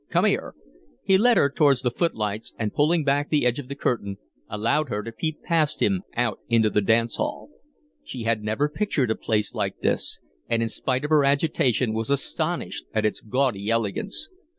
Come here." He led her towards the footlights, and, pulling back the edge of the curtain, allowed her to peep past him out into the dance hall. She had never pictured a place like this, and in spite of her agitation was astonished at its gaudy elegance.